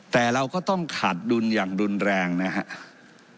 แต่เราก็ต้องขาดดุลอย่างรุนแรงนะครับ